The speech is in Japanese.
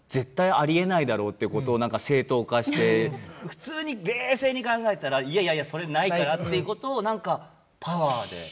普通に冷静に考えたら「いやいやそれないから」っていうことを何かパワーで。